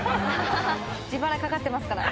「自腹かかってますから」